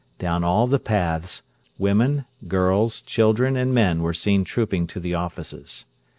Down all the paths, women, girls, children, and men were seen trooping to the offices.